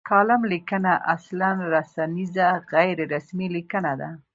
کالم لیکنه اصلا رسنیزه غیر رسمي لیکنه ده.